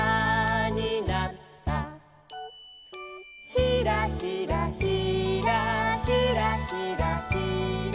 「ひらひらひらひらひらひら」